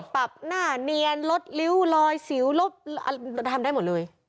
ปรับหน้าเนียนลดลิ้วลอยสิวลบทำได้หมดเลย